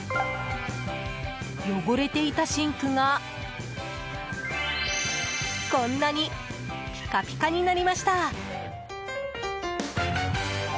汚れていたシンクがこんなにピカピカになりました。